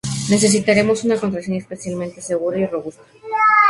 necesitaremos una contraseña especialmente segura y robusta